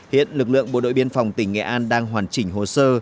hiện lực lượng bộ đội biên phòng tỉnh nghệ an đang hoàn chỉnh hồ sơ